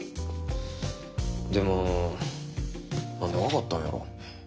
でも何で分かったんやろ。